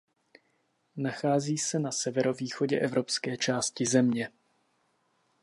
Nachází se na severovýchodě evropské části země.